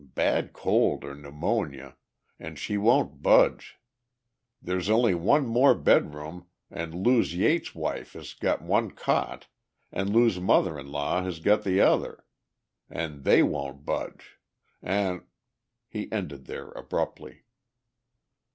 bad cold or pneumonia ... an' she won't budge. There's only one more bed room an' Lew Yates's wife has got one cot an Lew's mother in law has got the other. An' they won't budge. An' ..." He ended there abruptly.